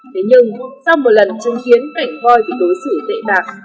thế nhưng sau một lần chung kiến cảnh voi bị đối xử tệ bạc